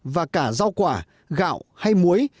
và cả rau quả gạo hay muối